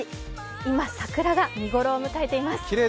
今、桜が見頃を迎えています。